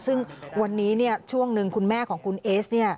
ซึ่งวันนี้ช่วงหนึ่งคุณแม่ของคุณเอสเนี่ย